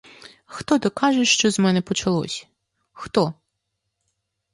Хто докаже, що з мене почалось, хто?